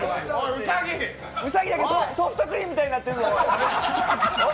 兎だけソフトクリームみたいになってるぞ。